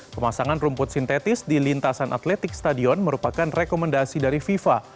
pemasangan rumput sintetis di lintasan atletik stadion merupakan rekomendasi dari fifa